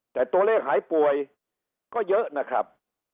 แต่ตัวเลขหายป่วยก็เยอะนะครับ